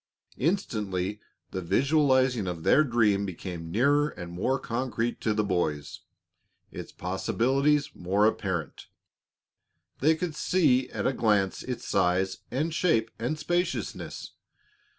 Instantly the visualizing of their dream became nearer and more concrete to the boys, its possibilities more apparent. They could see at a glance its size and shape and spaciousness.